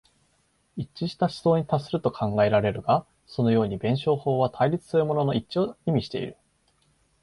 一致した思想に達すると考えられるが、そのように弁証法は対立するものの一致を意味している。